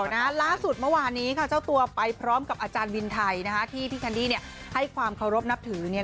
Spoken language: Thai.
ล่าสุดเมื่อวานนี้ค่ะเจ้าตัวไปพร้อมกับอาจารย์วินไทยที่พี่แคนดี้ให้ความเคารพนับถือ